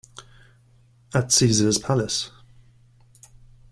At Caesar's Palace.